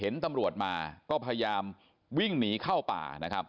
เห็นตำรวจมาก็พยายามวิ่งหนีเข้าป่านะครับ